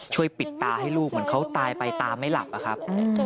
ช่วยปิดตาให้ลูกเหมือนเขาตายไปตาไม่หลับ